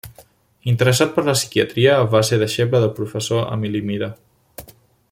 Interessat per la psiquiatria, va ser deixeble del professor Emili Mira.